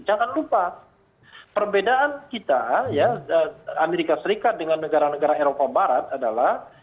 jangan lupa perbedaan kita ya amerika serikat dengan negara negara eropa barat adalah